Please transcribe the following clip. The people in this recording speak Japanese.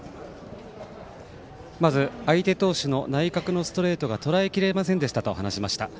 まず相手投手の内角のストレートがとらえきれませんでしたと話しました。